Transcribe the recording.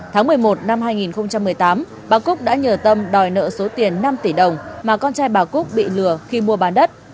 tháng một mươi một năm hai nghìn một mươi tám bà cúc đã nhờ tâm đòi nợ số tiền năm tỷ đồng mà con trai bà cúc bị lừa khi mua bán đất